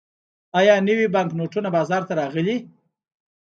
آیا نوي بانکنوټونه بازار ته راغلي؟